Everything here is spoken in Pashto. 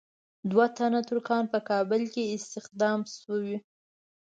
دوه تنه ترکان په کابل کې استخدام شوي.